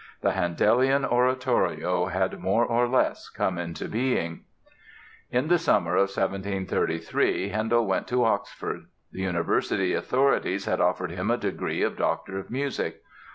The Handelian oratorio had more or less come into being! In the summer of 1733 Handel went to Oxford. The University authorities had offered him a degree of Doctor of Music.